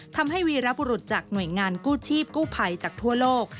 วีรบุรุษจากหน่วยงานกู้ชีพกู้ภัยจากทั่วโลก